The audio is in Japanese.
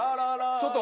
ちょっと。